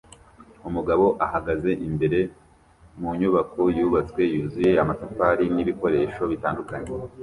Umugabo ahagaze imbere mu nyubako yubatswe yuzuye amatafari nibikoresho bitandukanye